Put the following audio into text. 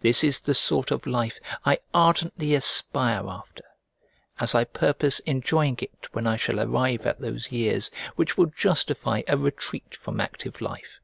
This is the sort of life I ardently aspire after; as I purpose enjoying it when I shall arrive at those years which will justify a retreat from active life.